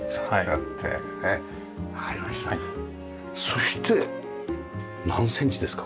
そして何センチですか？